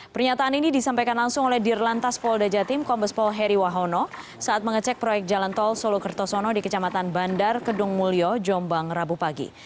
pernyataan ini disampaikan langsung oleh dirlantas polda jatim kombespol heri wahono saat mengecek proyek jalan tol solo kertosono di kecamatan bandar kedung mulyo jombang rabu pagi